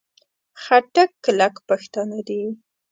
خټک کلک پښتانه دي.